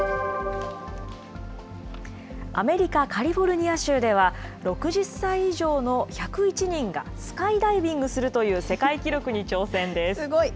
アメリカ・カリフォルニア州では、６０歳以上の１０１人がスカイダイビングするという世界記録に挑すごい。